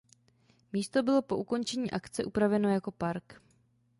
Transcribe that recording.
Místo bylo po ukončení akce upraveno jako park.